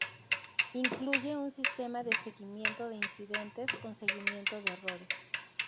Incluye un sistema de seguimiento de incidentes con seguimiento de errores.